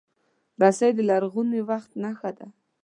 رسۍ د لرغوني وخت نښه ده.